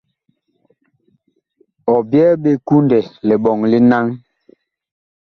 Ɔ byɛɛ ɓe kundɛ liɓɔŋ li naŋ.